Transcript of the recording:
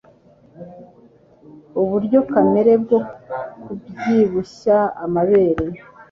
Uburyo kamere bwo kubyibushya amabere